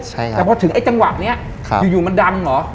แต่พอถึงไอ้จังหวะนี้อยู่มันดังเหรอ